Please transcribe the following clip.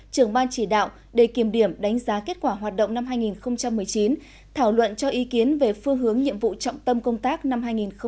trưởng ban chỉ đạo để kiểm điểm đánh giá kết quả hoạt động năm hai nghìn một mươi chín thảo luận cho ý kiến về phương hướng nhiệm vụ trọng tâm công tác năm hai nghìn hai mươi